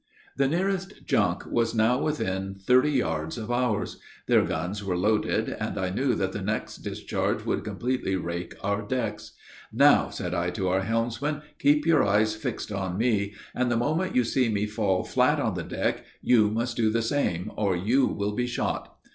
The nearest junk was now within thirty yards of ours; their guns were loaded, and I knew that the next discharge would completely rake our decks "Now," said I to our helmsman, "keep your eyes fixed on me, and the moment you see me fall flat on the deck, you must do the same, or you will be shot."